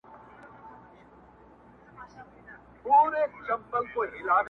سره ورک یې کړل زامن وروڼه پلرونه!!